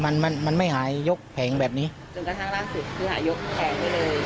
มันมันไม่หายยกแผงแบบนี้จนกระทั่งล่าสุดคือหายยกแผงให้เลย